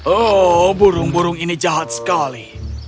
oh burung burung ini jahat sekali